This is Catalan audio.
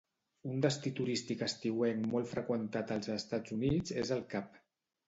Un destí turístic estiuenc molt freqüentat als estats Units és el Cap.